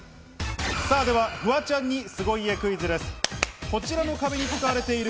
では、フワちゃんに凄家クイズです。